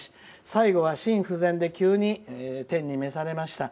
最後は心不全で急に天に召されました。